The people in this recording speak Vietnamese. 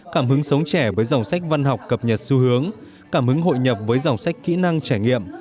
cảm hứng sống trẻ với dòng sách văn học cập nhật xu hướng cảm hứng hội nhập với dòng sách kỹ năng trải nghiệm